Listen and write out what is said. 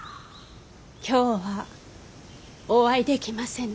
今日はお会いできませぬ。